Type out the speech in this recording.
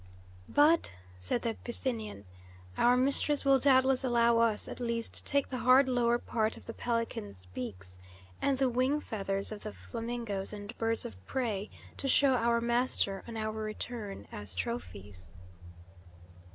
"But," said the Bithynian, "our mistress will doubtless allow us at least to take the hard lower part of the pelicans' beaks, and the wing feathers of the flamingoes and birds of prey, to show our master on our return as trophies."